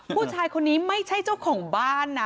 ผู้ชายคนนี้ไม่ใช่เจ้าของบ้านนะ